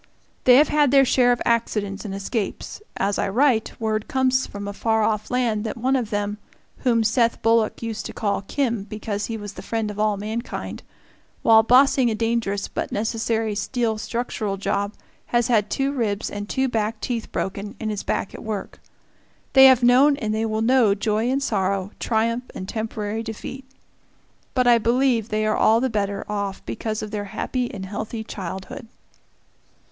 They have had their share of accidents and escapes; as I write, word comes from a far off land that one of them, whom Seth Bullock used to call "Kim" because he was the friend of all mankind, while bossing a dangerous but necessary steel structural job has had two ribs and two back teeth broken, and is back at work. They have known and they will know joy and sorrow, triumph and temporary defeat. But I believe they are all the better off because of their happy and healthy childhood.